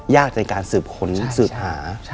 ยากในการสืบค้นสืบหา